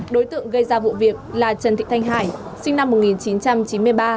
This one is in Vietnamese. đối tượng gây ra vụ việc là trần thị thanh hải sinh năm một nghìn chín trăm chín mươi ba